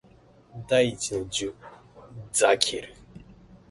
第一の術ザケル